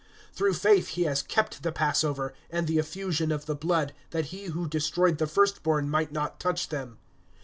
(28)Through faith he has kept the passover, and the affusion of the blood, that he who destroyed the first born might not touch them.